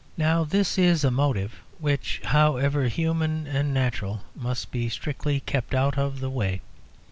Now this is a motive which, however human and natural, must be strictly kept out of the way.